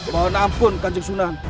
mohon ampun kanjeng sunan